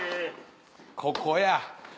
ここや。